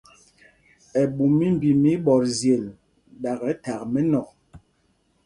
Ɛɓu mimbi mɛ íɓɔtzyel, ɗakɛ thak mɛnɔ̂k.